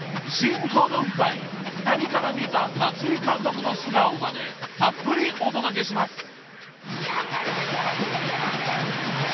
［親交の深い２人から見た松居監督の素顔までたっぷりお届けします］